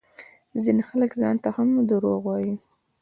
ځينې خلک ځانته هم دروغ وايي